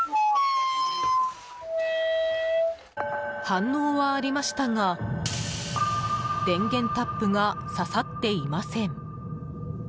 反応はありましたが電源タップが刺さっていません。